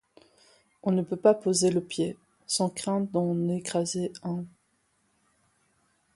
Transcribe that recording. On ne peut pas poser le pied, sans craindre d'en écraser un.